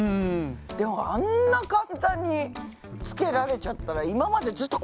でもあんな簡単につけられちゃったら今までずっとこう火花で。